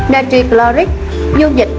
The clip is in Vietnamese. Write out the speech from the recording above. natricloric dung dịch chín